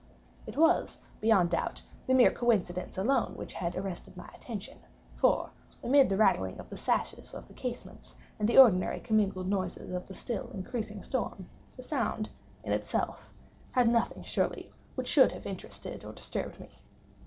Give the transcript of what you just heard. It was, beyond doubt, the coincidence alone which had arrested my attention; for, amid the rattling of the sashes of the casements, and the ordinary commingled noises of the still increasing storm, the sound, in itself, had nothing, surely, which should have interested or disturbed me.